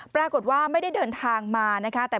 ปรากฏว่าไม่ได้เดินทางมานะคะ